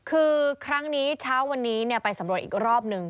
คือครั้งนี้เช้าวันนี้ไปสำรวจอีกรอบนึง